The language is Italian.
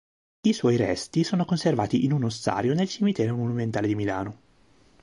I suoi resti sono conservati in un ossario nel Cimitero Monumentale di Milano.